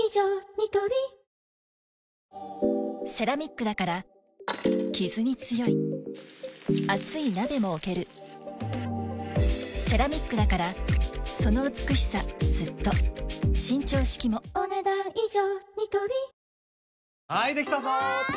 ニトリセラミックだからキズに強い熱い鍋も置けるセラミックだからその美しさずっと伸長式もお、ねだん以上。